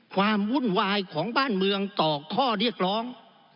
ความวุ่นวายของบ้านเมืองต่อข้อเรียกร้อง